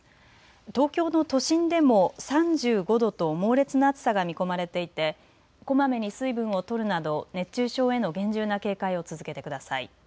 東京の都心でも３５度と猛烈な暑さが見込まれていてこまめに水分をとるなど熱中症への厳重な警戒を続けてください。